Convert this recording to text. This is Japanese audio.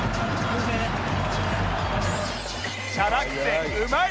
チャラくてうまい！